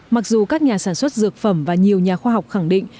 mặc dù các nhà sản xuất dược phẩm và nhiều nhà khoa học khẳng định